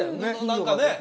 何かね